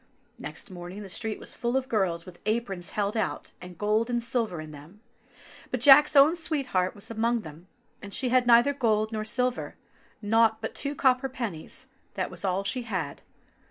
Next morning the street was full of girls with aprons held out, and gold and silver in them ; but Jack's own sweet heart was among them, and she had neither gold nor silver ; nought but two copper pennies, that was all she had.